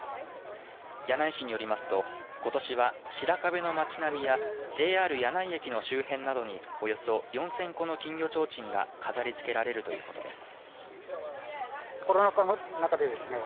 柳井市によりますとことしは白壁の町並みやＪＲ柳井駅の周辺などにおよそ４０００個の金魚ちょうちんが飾りつけられるということです。